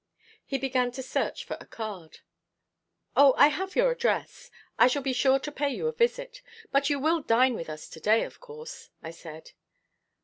He began to search for a card. "O, I have your address. I shall be sure to pay you a visit. But you will dine with us to day, of course?" I said.